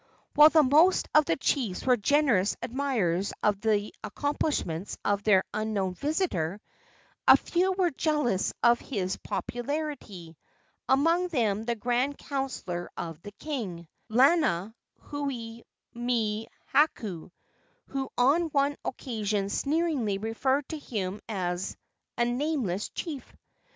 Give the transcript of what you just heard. While the most of the chiefs were generous admirers of the accomplishments of their unknown visitor, a few were jealous of his popularity, among them the grand counselor of the king, Lanahuimihaku, who on one occasion sneeringly referred to him as "a nameless chief."